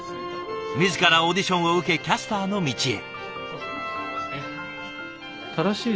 自らオーディションを受けキャスターの道へ。